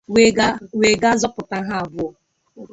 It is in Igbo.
wee ga zọpụta ha abụọ